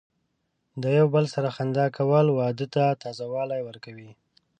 د یو بل سره خندا کول، واده ته تازه والی ورکوي.